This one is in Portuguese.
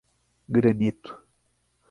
Granito